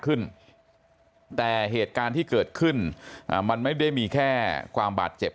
ขึ้นแต่เหตุการณ์ที่เกิดขึ้นมันไม่ได้มีแค่ความบาดเจ็บ